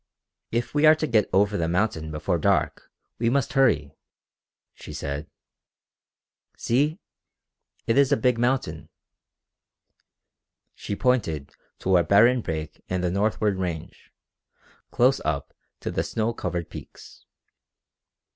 "If we are to get over the mountain before dark we must hurry," she said. "See it is a big mountain!" She pointed to a barren break in the northward range, close up to the snow covered peaks.